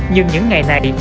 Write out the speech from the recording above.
nhưng những ngày này